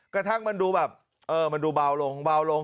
กระทั่งมันดูแบบเออมันดูเบาลงเบาลง